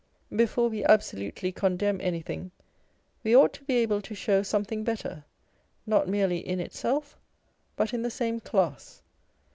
Before wo absolutely condemn anything, we ought to be able to show something better, not merely in itself, but in the same class.